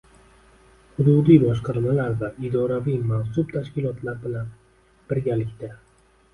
hududiy boshqarmalar va idoraviy mansub tashkilotlar bilan birgalikda